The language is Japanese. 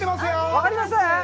分かります？